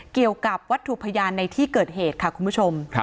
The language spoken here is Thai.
เกี่ยวกับวัตถุพยานในที่เกิดเหตุค่ะคุณผู้ชม